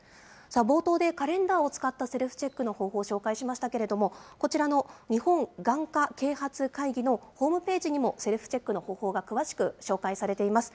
冒頭でカレンダーを使ったセルフチェックの方法を紹介しましたけれども、こちらの日本眼科啓発会議のホームページにもセルフチェックの方法が詳しく紹介されています。